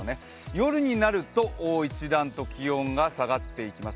夜になると一段と気温が下がっていきます。